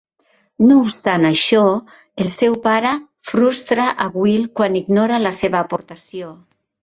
No obstant això, el seu pare frustra a Will quan ignora la seva aportació.